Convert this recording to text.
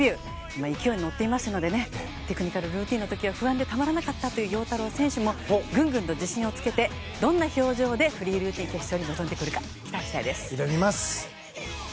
今、勢いに乗っていますのでテクニカルルーティンの時には不安でたまらなかったという陽太郎選手もグングンと自信をつけてどんな表情でフリールーティン決勝に臨んでくるか。